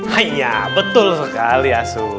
haiya betul sekali asun